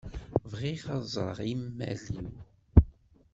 Bɣiɣ ad ẓreɣ imal-iw.